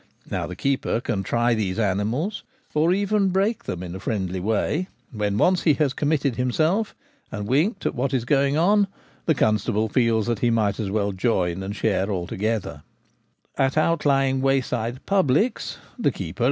Now the keeper can try these animals, or even break them in in a friendly way; and when once he has committed himself, and winked at what is going on, the constable feels that he may as well join and share altogether At outlying wayside ' publics ' the keeper Petty Tyranny.